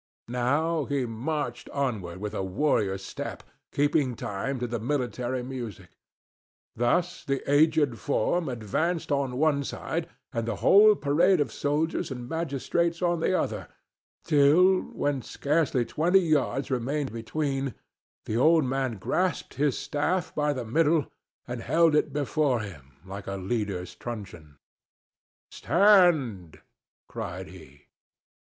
Now he marched onward with a warrior's step, keeping time to the military music. Thus the aged form advanced on one side and the whole parade of soldiers and magistrates on the other, till, when scarcely twenty yards remained between, the old man grasped his staff by the middle and held it before him like a leader's truncheon. "Stand!" cried he.